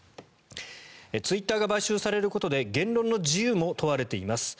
ツイッターが買収されることで言論の自由も問われています。